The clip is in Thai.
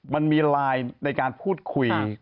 มันมีไลน์ในการพูดคุย